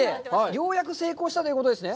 ようやく成功したということですね？